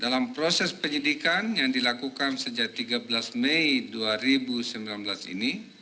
dalam proses penyidikan yang dilakukan sejak tiga belas mei dua ribu sembilan belas ini